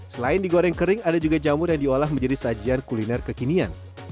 selain digoreng kering ada juga jamur yang diolah menjadi sajian kuliner kekinian